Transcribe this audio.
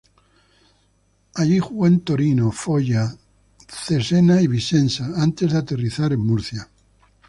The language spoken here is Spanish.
Allí jugó en Torino, Foggia, Cesena y Vicenza, antes de aterrizar en Murcia.